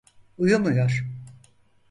Uyumuyor.